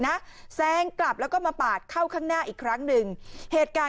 แซงกลับแล้วก็มาปาดเข้าข้างหน้าอีกครั้งหนึ่งเหตุการณ์